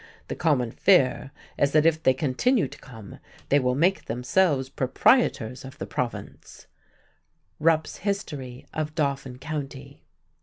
The common fear is that if they continue to come they will make themselves proprietors of the Province" (Rupp's History of Dauphin County).